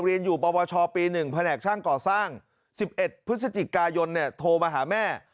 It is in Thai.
เรียนอยู่ปวชปี๑แผนกช่างก่อสร้าง๑๑พฤศจิกายนโทรมาหาแม่